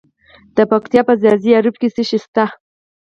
د پکتیا په ځاځي اریوب کې څه شی شته؟